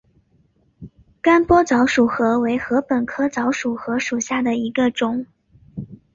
甘波早熟禾为禾本科早熟禾属下的一个种。